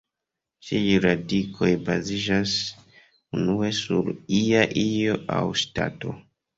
Ĉiuj radikoj baziĝas unue sur ia io aŭ ŝtato.